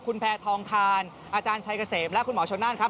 คุณแพทองทานอาจารย์ชัยเกษมและคุณหมอชนนั่นครับ